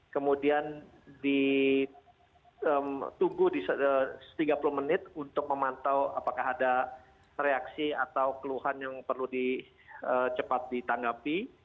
kemudian ditunggu tiga puluh menit untuk memantau apakah ada reaksi atau keluhan yang perlu cepat ditanggapi